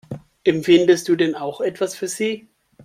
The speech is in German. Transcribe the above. Empfindest du denn auch etwas für sie?